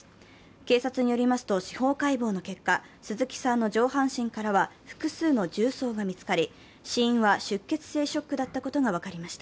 警察によりますと、司法解剖の結果鈴木さんの上半身からは複数の銃創が見つかり、死因は出血性ショックだったことが分かりました。